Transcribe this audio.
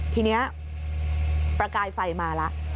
ทีนี้ประกายไฟมาแล้ว